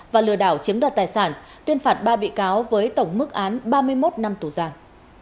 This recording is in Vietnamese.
và lừa đảo chiếm đoạt tài sản tuyên phạt ba bị cáo với tổng mức án ba mươi một năm tù giam